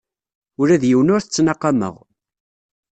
Ula d yiwen ur t-ttnaqameɣ.